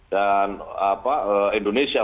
dan apa indonesia